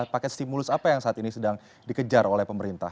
paket stimulus apa yang saat ini sedang dikejar oleh pemerintah